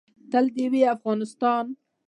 تل دې وي افغانستان